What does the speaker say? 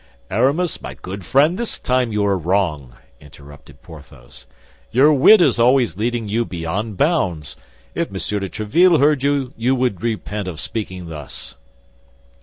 "Aramis, my good friend, this time you are wrong," interrupted Porthos. "Your wit is always leading you beyond bounds; if Monsieur de Tréville heard you, you would repent of speaking thus."